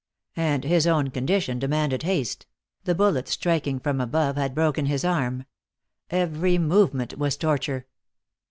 And his own condition demanded haste; the bullet, striking from above, had broken his arm. Every movement was torture.